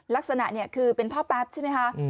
ลักษณะเนี่ยคือเป็นท่อแป๊บใช่ไหมคะ